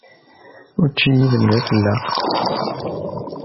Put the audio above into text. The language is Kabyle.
Učči yid-m d afelleq.